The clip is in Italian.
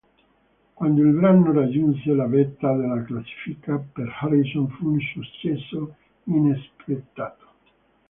Quando il brano raggiunse la vetta della classifica, per Harrison fu un successo inaspettato.